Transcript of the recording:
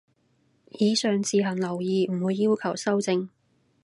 以上自行留意，唔會要求修正